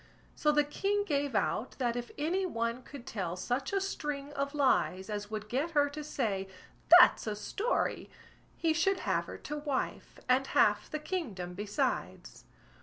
So the king gave out, that if any one could tell such a string of lies, as would get her to say, "That's a story", he should have her to wife, and half the kingdom besides.